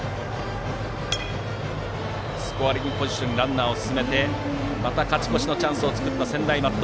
スコアリングポジションにランナーを進めてまた勝ち越しのチャンスを作った専大松戸。